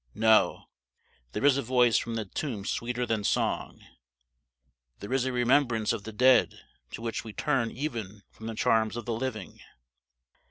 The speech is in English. No, there is a voice from the tomb sweeter than song. There is a remembrance of the dead to which we turn even from the charms of the living.